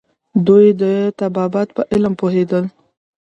دوی د طبابت په علم پوهیدل